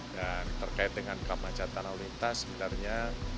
dan terkait dengan kemacetan lalu lintas sebenarnya